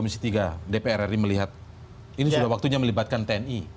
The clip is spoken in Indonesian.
komisi tiga dpr ri melihat ini sudah waktunya melibatkan tni